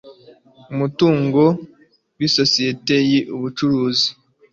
umutungo w isosiyete y ubucuruzi